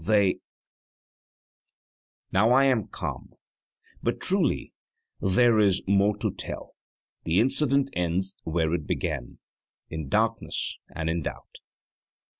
they Now I am calm, but truly there is no more to tell: the incident ends where it began in darkness and in doubt.